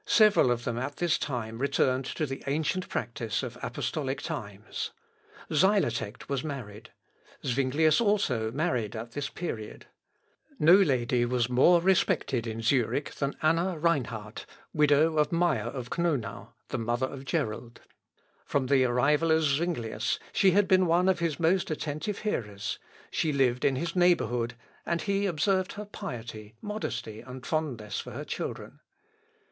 Several of them at this time returned to the ancient practice of apostolic times. Xylotect was married. Zuinglius also married at this period. No lady was more respected in Zurich than Anna Reinhard, widow of Meyer of Knonau, the mother of Gerold. From the arrival of Zuinglius she had been one of his most attentive hearers: she lived in his neighbourhood, and he observed her piety, modesty, and fondness for her children.